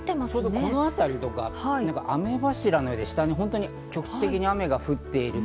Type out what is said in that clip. この辺りとか、雨柱のように局地的に雨が降っている。